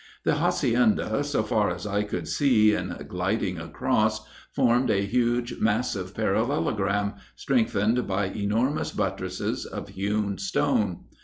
The hacienda, so far as I could see in gliding across, formed a huge, massive parallelogram, strengthened by enormous buttresses of hewn stone.